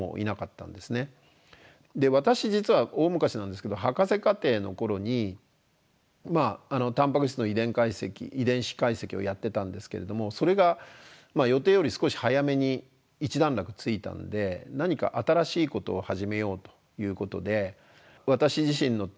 私実は大昔なんですけど博士課程の頃にタンパク質の遺伝解析遺伝子解析をやってたんですけれどもそれが予定より少し早めに一段落ついたので何か新しいことを始めようということで私自身のアイデアでですね